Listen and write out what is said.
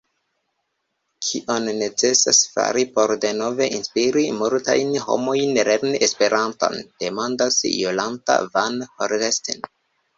Kion necesas fari por denove inspiri multajn homojn lerni Esperanton, demandas Jolanta van Holstein.